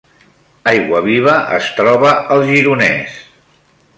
Aiguaviva es troba al Gironès